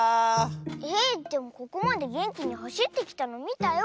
えっでもここまでげんきにはしってきたのみたよ